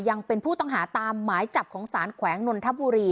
ยังเป็นผู้ต้องหาตามหมายจับของสารแขวงนนทบุรี